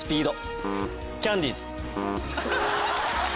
キャンディーズ。